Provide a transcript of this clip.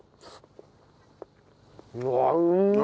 うわうまっ！